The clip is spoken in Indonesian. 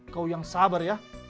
kau yang sabar ya